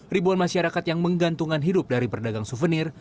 ribuan masyarakat yang menggantungan hidup dari perdagang suvenir